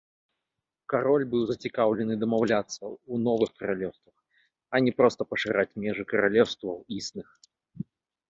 Кароль быў зацікаўлены дамаўляцца ў новых каралеўствах, а не проста пашыраць межы каралеўстваў існых.